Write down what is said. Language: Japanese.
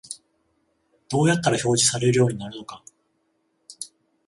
どうやったら表示されるようになるのか